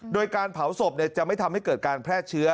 โดยการเผาศพจะไม่ทำให้เกิดการแพร่เชื้อ